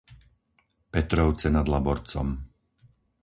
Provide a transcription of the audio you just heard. Petrovce nad Laborcom